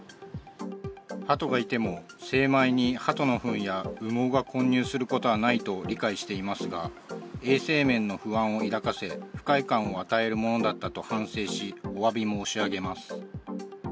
ハトがいても、精米にハトのふんや羽毛が混入することはないと理解していますが、衛生面の不安を抱かせ、不快感を与えるものだったと反省し、おわび申し上げます。